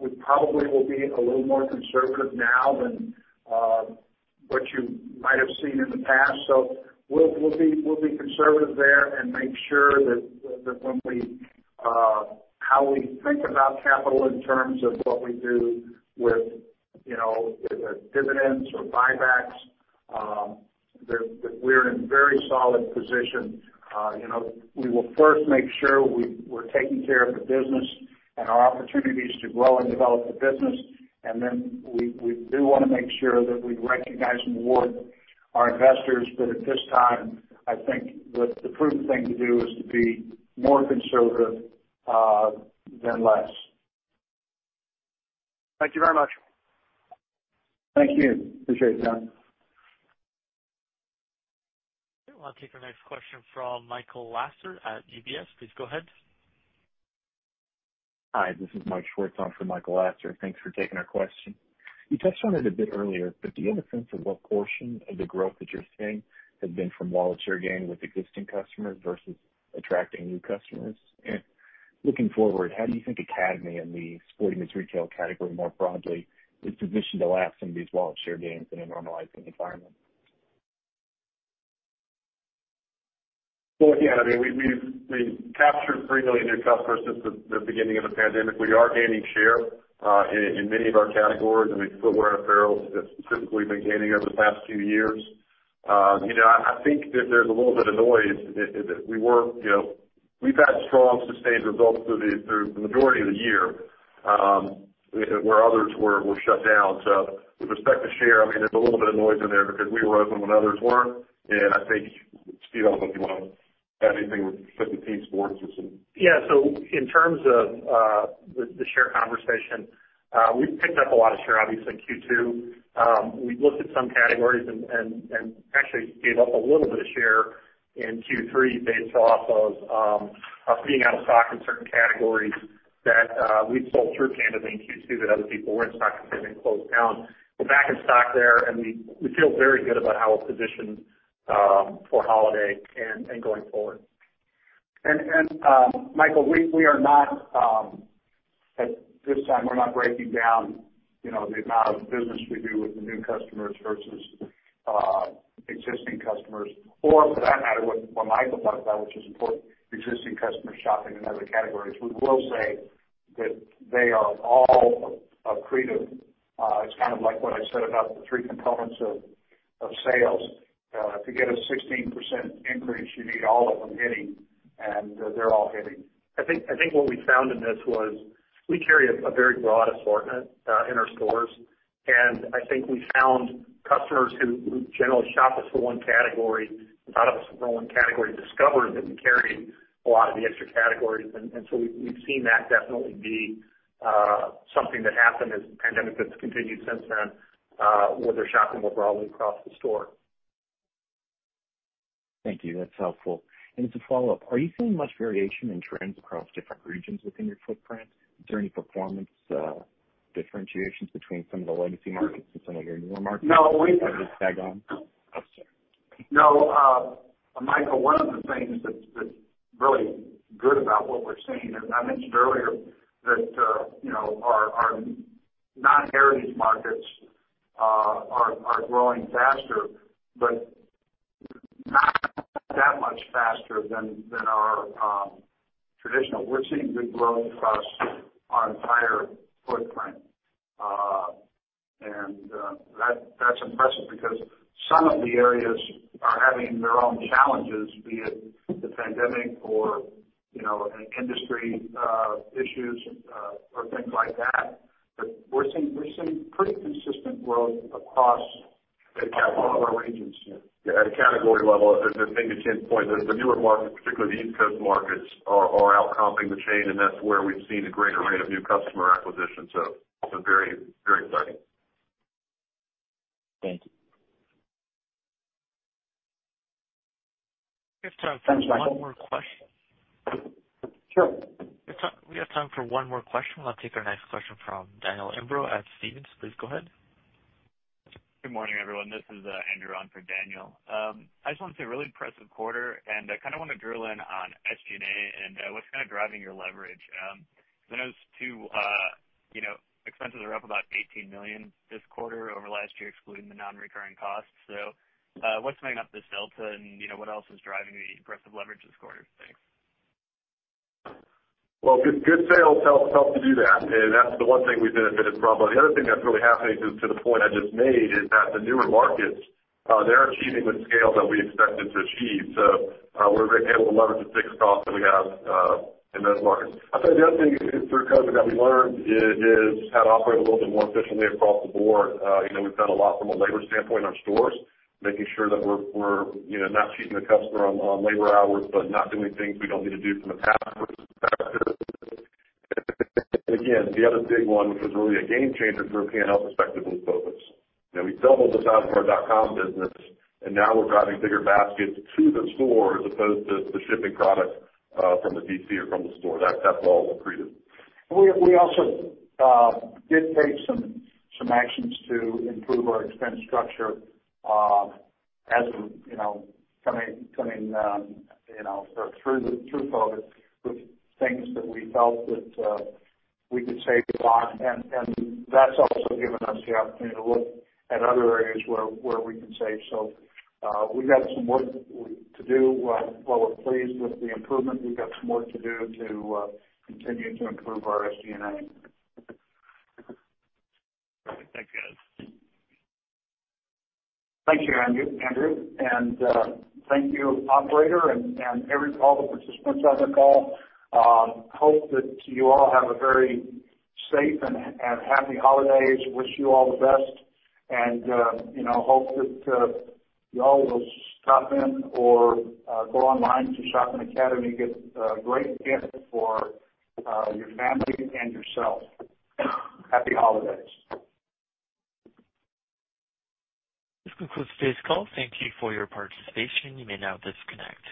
[SPEAKER 3] We probably will be a little more conservative now than what you might have seen in the past. We'll be conservative there and make sure that how we think about capital in terms of what we do with dividends or buybacks, that we're in very solid position. We will first make sure we're taking care of the business and our opportunities to grow and develop the business. We do want to make sure that we recognize and reward our investors. At this time, I think that the prudent thing to do is to be more conservative than less.
[SPEAKER 12] Thank you very much.
[SPEAKER 3] Thank you. Appreciate it, John.
[SPEAKER 1] Okay, I'll take our next question from Michael Lasser at UBS. Please go ahead.
[SPEAKER 13] Hi, this is Mike Schwartz on for Michael Lasser. Thanks for taking our question. You touched on it a bit earlier, but do you have a sense of what portion of the growth that you're seeing has been from wallet share gain with existing customers versus attracting new customers? Looking forward, how do you think Academy and the sporting goods retail category more broadly is positioned to lap some of these wallet share gains in a normalizing environment?
[SPEAKER 4] Well, again, we've captured 3 million new customers since the beginning of the pandemic. We are gaining share in many of our categories. I mean, footwear and apparel have specifically been gaining over the past few years. I think that there's a little bit of noise. We've had strong, sustained results through the majority of the year, where others were shut down. With respect to share, there's a little bit of noise in there because we were open when others weren't, and I think, Steve, I don't know if you want to add anything with respect to team sports.
[SPEAKER 7] Yeah. In terms of the share conversation, we've picked up a lot of share, obviously, in Q2. We've looked at some categories and actually gave up a little bit of share in Q3 based off of us being out of stock in certain categories that we sold through candidly in Q2 that other people weren't stocking because they'd been closed down. We're back in stock there, and we feel very good about how we're positioned for holiday and going forward.
[SPEAKER 3] Michael, at this time, we're not breaking down the amount of business we do with the new customers versus existing customers, or for that matter, what Michael talked about, which is important, existing customers shopping in other categories. We will say that they are all accretive. It's kind of like what I said about the three components of sales. To get a 16% increase, you need all of them hitting, and they're all hitting. I think what we found in this was we carry a very broad assortment in our stores, and I think we found customers who generally shop with us for one category, thought of us for one category, discovered that we carry a lot of the extra categories. We've seen that definitely be something that happened as the pandemic has continued since then, where they're shopping more broadly across the store.
[SPEAKER 13] Thank you. That's helpful. As a follow-up, are you seeing much variation in trends across different regions within your footprint? Is there any performance differentiations between some of the legacy markets and some of your newer markets?
[SPEAKER 3] No. Michael, one of the things that's really good about what we're seeing, I mentioned earlier that our non-heritage markets are growing faster, not that much faster than our traditional. We're seeing good growth across our entire footprint. That's impressive because some of the areas are having their own challenges, be it the pandemic or industry issues or things like that. We're seeing pretty consistent growth across all of our geographies.
[SPEAKER 4] Yeah. At a category level, as I think you can point, the newer markets, particularly the East Coast markets, are outcomping the chain, and that's where we've seen a greater rate of new customer acquisition. It's been very exciting.
[SPEAKER 13] Thank you.
[SPEAKER 1] We have time for one more question.
[SPEAKER 3] Sure.
[SPEAKER 1] We have time for one more question. We'll take our next question from Daniel Imbro at Stephens. Please go ahead.
[SPEAKER 14] Good morning, everyone. This is Andrew on for Daniel. I just wanted to say, really impressive quarter, and I want to drill in on SG&A and what's driving your leverage. I noticed expenses are up about $18 million this quarter over last year, excluding the non-recurring costs. What's making up this delta and what else is driving the impressive leverage this quarter? Thanks.
[SPEAKER 4] Well, good sales help to do that, and that's the one thing we benefited from. The other thing that's really happening, to the point I just made, is that the newer markets, they're achieving the scale that we expected to achieve. We're able to leverage the fixed costs that we have in those markets. I'll tell you, the other thing through COVID-19 that we learned is how to operate a little bit more efficiently across the board. We've done a lot from a labor standpoint in our stores, making sure that we're not cheating the customer on labor hours but not doing things we don't need to do from a process perspective. Again, the other big one, which was really a game changer from a P&L perspective, was Focus. We doubled the size of our dot-com business. Now we're driving bigger baskets to the store as opposed to shipping product from the DC or from the store. That's all accretive.
[SPEAKER 3] We also did take some actions to improve our expense structure as we're coming through COVID with things that we felt that we could save on. That's also given us the opportunity to look at other areas where we can save. We've got some work to do. While we're pleased with the improvement, we've got some work to do to continue to improve our SG&A.
[SPEAKER 14] Perfect. Thank you, guys.
[SPEAKER 3] Thank you, Andrew. Thank you, operator, and all the participants on the call. Hope that you all have a very safe and happy holidays. Wish you all the best, and hope that you all will stop in or go online to shop in Academy, get a great gift for your family and yourself. Happy holidays.
[SPEAKER 1] This concludes today's call. Thank you for your participation. You may now disconnect.